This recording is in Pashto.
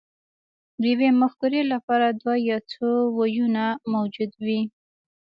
د یوې مفکورې لپاره دوه یا څو ویونه موجود وي